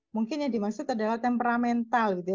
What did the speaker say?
mungkin yang dimaksud adalah temperamental gitu ya